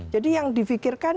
jadi yang difikirkan